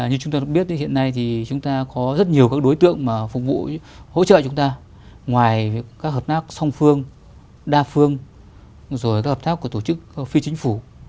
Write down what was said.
như chúng ta được biết hiện nay thì chúng ta có rất nhiều các đối tượng mà phục vụ hỗ trợ chúng ta ngoài các hợp tác song phương đa phương rồi các hợp tác của tổ chức phi chính phủ